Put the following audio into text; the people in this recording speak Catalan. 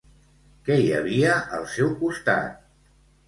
Què hi havia al seu costat?